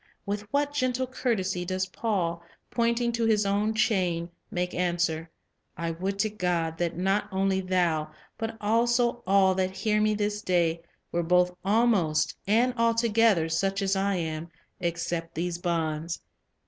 With what gentle courtesy does Paul, pointing to his own chain, make answer, "I would to God, that not only thou, but also all that hear me this day, were both almost and altogether such as I am, except these bonds."